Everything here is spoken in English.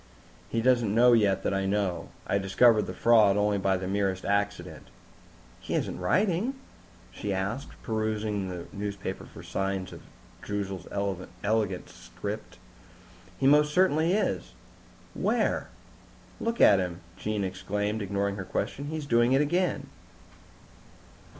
"He doesn't know yet that I know. I discovered the fraud only by the merest accident." "He isn't writing?" she asked, perusing the newspapers for signs of Droozle's elegant script. "He most certainly is." "Where?" "Look at him!" Jean exclaimed, ignoring her question. "He's doing it again!"